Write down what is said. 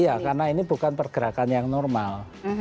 iya karena ini bukan pergerakan yang normal